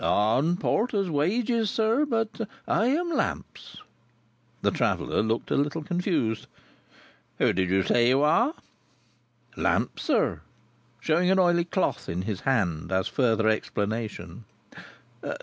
"On Porter's wages, sir. But I am Lamps." The traveller looked a little confused. "Who did you say you are?" "Lamps, sir," showing an oily cloth in his hand, as further explanation.